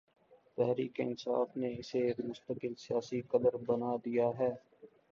تحریک انصاف نے اسے ایک مستقل سیاسی قدر بنا دیا ہے۔